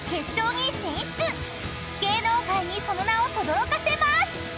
［芸能界にその名をとどろかせます！］